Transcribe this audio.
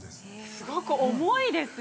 ◆すごく重いですね。